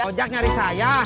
bang ojak nyari saya